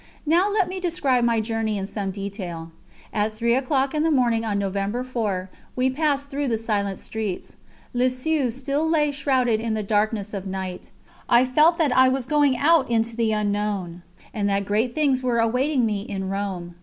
Now let me describe my journey in some detail. At three o'clock in the morning of November 4, we passed through the silent streets. Lisieux still lay shrouded in the darkness of night. I felt that I was going out into the unknown, and that great things were awaiting me in Rome.